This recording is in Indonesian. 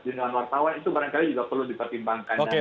jurniwan wartawan itu barangkali juga perlu